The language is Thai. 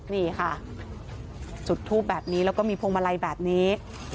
นี่ค่ะจุดทูปแบบนี้แล้วก็มีพวงมาลัยแบบนี้